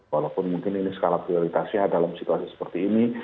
walaupun mungkin ini skala prioritasnya dalam situasi seperti ini